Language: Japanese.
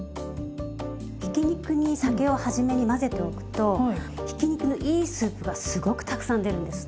ひき肉に酒をはじめに混ぜておくとひき肉のいいスープがすごくたくさん出るんです。